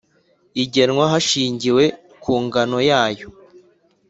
igenwa hashingiwe ku ngano yayo